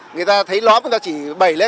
người ta thấy lót người ta chỉ bẩy lên